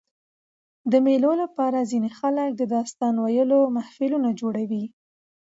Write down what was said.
د مېلو له پاره ځيني خلک د داستان ویلو محفلونه جوړوي.